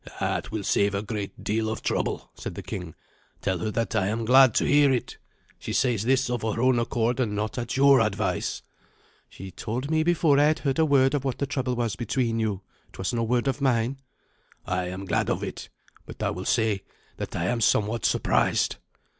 "That will save a great deal of trouble," said the king. "Tell her that I am glad to hear it. She says this of her own accord, and not at your advice?" "She told me before I had heard a word of what the trouble was between you. It was no word of mine." "I am glad of it. But I will say that I am somewhat surprised."